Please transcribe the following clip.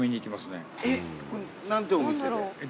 えっ何てお店で？